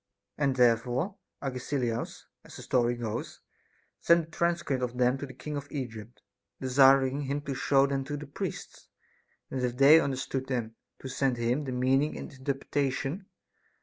And therefore Agesilaus, as the story goes, sent a transcript of them to the king of Egypt, desiring him to show them to the priests, and if they understood them, to send him the meaning and interpretation.